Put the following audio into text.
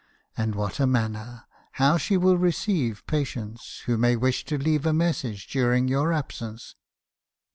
And what a manner I How she will receive patients, who may wish to leave a message during your absence